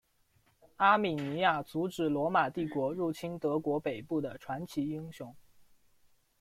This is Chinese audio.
阿米尼亚阻止罗马帝国入侵德国北部的传奇英雄。